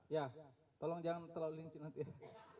ya tolong jangan terlalu linci nanti ya